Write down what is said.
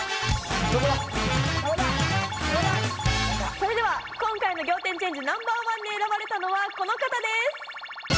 それでは今回の仰天チェンジＮｏ．１に選ばれたのはこの方です！